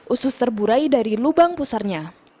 usus terburai dari lubang pusarnya